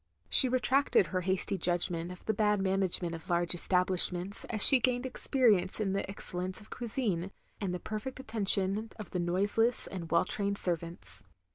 She retracted her hasty judgment of the bad management of large establishments, as she gained experience in the excellence of cuisine, and the perfect attention of the noiseless and well trained servants.